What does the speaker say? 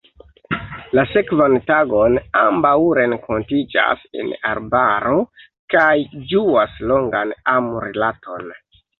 La sekvan tagon, ambaŭ renkontiĝas en arbaro kaj ĝuas longan amrilaton.